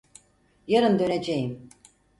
Yarın döneceğim.